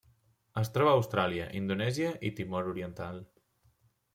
Es troba a Austràlia, Indonèsia i Timor Oriental.